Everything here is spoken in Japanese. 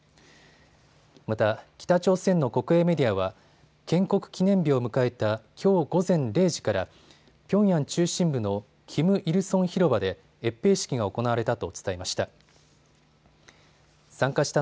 また、北朝鮮の国営メディアは建国記念日を迎えたきょう午前０時からピョンヤン中心部のキム・イルソン広場で閲兵式が行われたと伝えました。